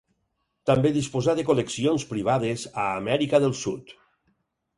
També disposà de col·leccions privades a Amèrica del Sud.